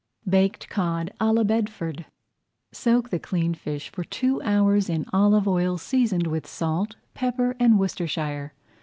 BAKED COD À LA BEDFORD Soak the cleaned fish for two hours in olive oil seasoned with salt, pepper, and Worcestershire.